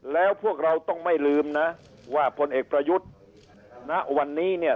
แล้วพวกเราต้องไม่ลืมนะว่าพลเอกประยุทธ์ณวันนี้เนี่ย